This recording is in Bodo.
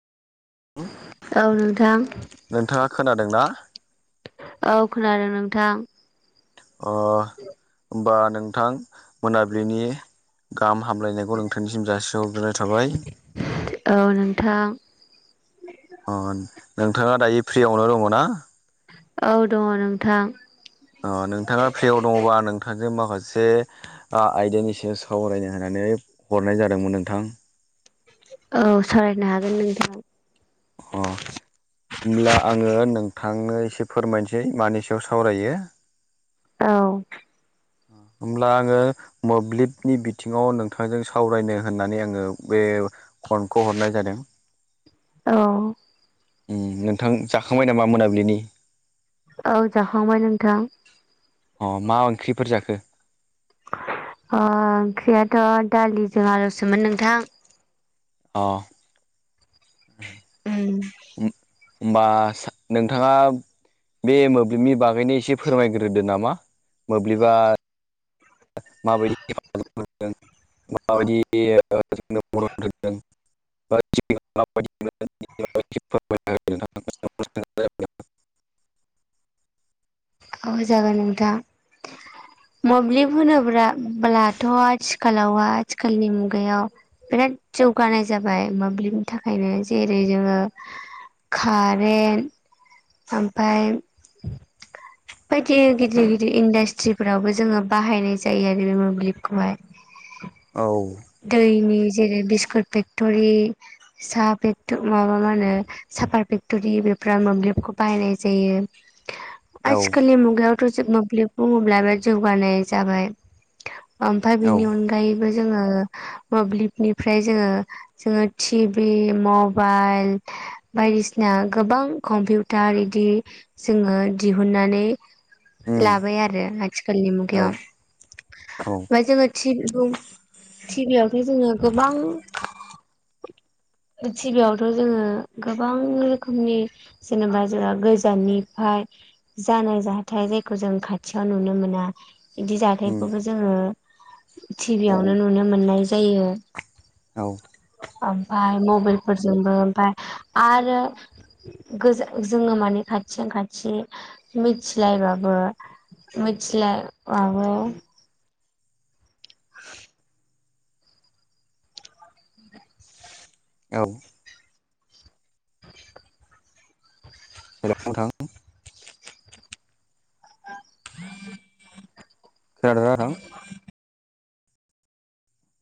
औ नोंथां। नोंथाङा खोनादोंना औ खोनादों नोंथां। अ होमबा नोंथां मोनाबिलिनि गाहाम हामलायनायखौ नोंथांनिसिम जासिहरग्रोनाय थाबाय। औ नोंथां। अ नोंथाङा दायो फ्रियावनो दङ ना औ दङ नोंथां ओ नोंथाङा फ्रियाव दङबा नोंथांजों माखासे आयदानि सायाव सावरायनो होननानै हरनाय जादोंमोन नोंथां औ सालरायनो हागोन नोंथां अ हब्ला आङो नोंथांनो एसे फोरमायनोसै मानि सायाव सावरायो औ होमब्ला आङो मोब्लिबनि बिथिङाव नोंथांजों सावरायनो होननानै आङो बे फनखौ हरनाय जादों। औ नोंथां जाखांबाय नामा मोनाबिलिनि? औ जाखांबाय नोंथां। अ मा ओंख्रिफोर जाखो? अ ओंख्रियाथ' दालिजों आलौसोमोन नोंथां। अ उम ओ होमबा नोंथांङा बे मोब्लिबनि बागैनो एसे फोरमाय ग्रोदो नामा मोब्लिबा माबायदि हेफाजाब होदों माबायदि जोंनो मदद होदों [unintelligible] औ जागोन नोंथां मोब्लिब होनोब्लाब्लाथ आथिखालाव आथिखालनि मुगायाव बिराद जौगानाय जाबाय मोब्लिबनि थाखायनो जेरै जोंङो कारेन्ट ओमफाय बायदि गिदिर गिदिर इन्डास्ट्रि फोरावबो जोंङो बाहायनाय जायो आरो बे मोब्लिबखौहाय औ दैनि जेरै बिस्कुट फेक्टरि साहा माबा मा होनो सापाट फेक्टरि बेफोराव मोब्लिबखौ बाहायनाय जायो औ आथिखालनि मुगायावथ मोब्लिब बुंङोब्ला बेराद जौगानाय जाबाय ओमफ्राय औ बिनि अनगायैबो जोंङो मोब्लिबनिफ्राय जोंङो जोंङो टिभि मबाइल बायदिसिना गोबां कम्पिउटार इदि जोंङो दिहुननानै उम लाबाय आरो आथिखालनि औ मुगायाव औ ओफ्राय जोंङो टि टिभि आव थ जोंङो गोबां थिबियावथ जोंङो गोबां रोखोमनि जेनेबा जोंहा गोजान निफ्राय जानाय जाथाय जायखौ जों खाथियाव नुनो मोना बिदि उम जाथायखौबो जोंङो थिबियावनो नुनो मोननाय जायो औ ओमफाय मबाइल फोरजोंबो ओमफाय आरो गोजा जोंङो माने खाथियाव खाथि मिथिलायबाबो मिथिलायबाबो [unintelligible] औ हेलौ नोंथां [unintelligible] खोनादों ना नोंथां [unintelligible]